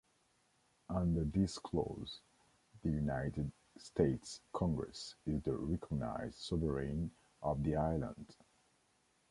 Under this clause, the United States Congress is the recognized sovereign of the island.